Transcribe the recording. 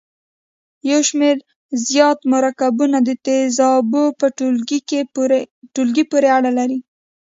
یو شمیر زیات مرکبونه د تیزابو په ټولګي پورې اړه لري.